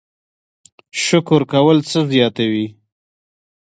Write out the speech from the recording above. شکر کول څه زیاتوي؟